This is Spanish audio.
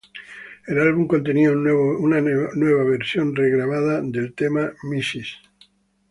El álbum contenía una nueva versión regrabada del tema "Mrs.